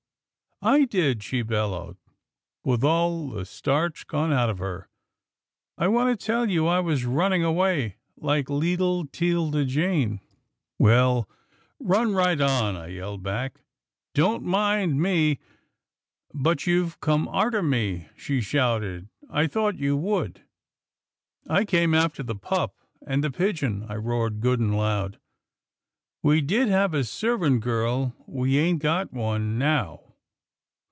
'' I did,' she bellowed,, with all the starch gone out of her, ' I want to tell you I was runnin' away — like leetle 'Tilda Jane.' ""' Well, run right on,' I yelled back, ' don't mind me. "' But you've come arter me,' she shouted, ' I thought you would.' ""' I came after the pup and the pigeon,' I roared good and loud. ' We did have a servant girl — we ain't got one now.'